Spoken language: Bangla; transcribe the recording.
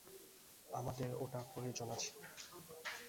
আমাদের ওটা প্রয়োজন আছে।